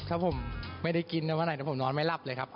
ถ้าผมไม่ได้กินเค้ามาไหนผมมันนอนแม่รับเลยครับ